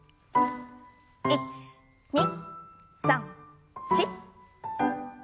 １２３４。